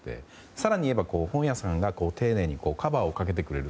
更に言えば、本屋さんが丁寧にカバーをかけてくれる。